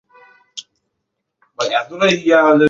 এত খুশি হবার কিছু নেই কেন স্যার?